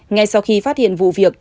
ngay sau khi phát hiện vụ việc